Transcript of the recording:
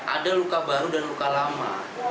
ada luka baru dan luka lama